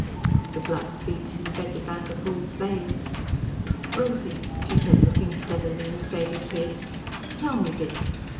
The blood beat in Betty Vanderpoel's veins. "Rosy," she said, looking steadily in the faded face, "tell me this.